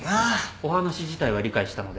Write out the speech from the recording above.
お話自体は理解したので。